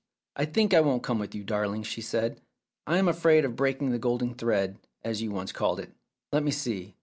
"I think I won't come with you, darling," she said. "I am afraid of breaking the golden thread, as you once called it. Let me see